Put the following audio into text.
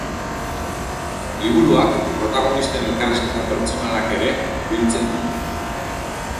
Liburuak protagonisten elkarrizketa pertsonalak ere biltzen ditu.